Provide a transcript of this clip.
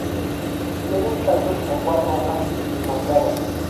Tiene tallos con cuatro hojas encontradas.